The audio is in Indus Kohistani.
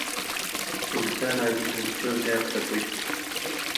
انساناں جِسِم چو زات تپُژ تُھو